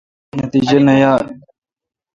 نتیجہ نہ یال۔